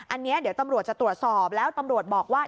อันนี้เดี๋ยวตำรวจจะตรวจสอบแล้วตำรวจบอกว่า